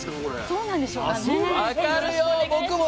そうなんでしょうかね。